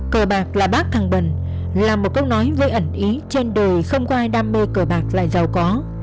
cờ bạc là bác thăng bần là một câu nói với ẩn ý trên đồi không có ai đam mê cờ bạc lại giàu có